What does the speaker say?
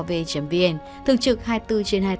tiếp nhận ý kiến của công an tỉnh quảng ninh